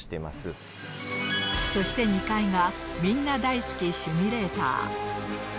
そして２階がみんな大好きシミュレーター。